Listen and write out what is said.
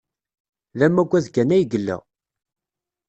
D amaggad kan ay yella.